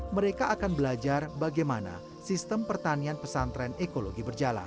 mereka akan belajar bagaimana sistem pertanian pesantren ekologi berjalan